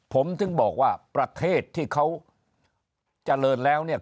ผมถึงบอกว่าประเทศที่เขาเจริญแล้วเนี่ย